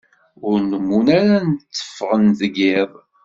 Ur nnumen ara tteffɣen deg iḍ.